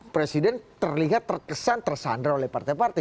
presiden terlihat terkesan tersandra oleh partai partai